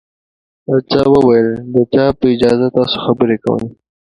پاچا وويل د چا په اجازه تاسو خبرې کوٸ.